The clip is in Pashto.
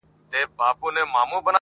• که پنځه کسه راښکيل وي پردي غم کي..